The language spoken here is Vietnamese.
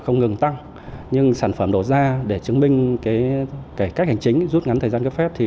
ngừng tăng nhưng sản phẩm đổ ra để chứng minh cái cách hành chính rút ngắn thời gian cấp phép thì